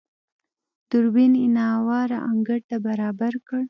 دوربين يې نااواره انګړ ته برابر کړ.